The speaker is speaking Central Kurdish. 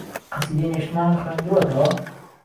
قەسیدەی نێشتمانت خوێندووەتەوە؟